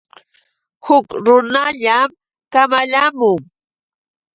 Huk runallam kamalayaamun.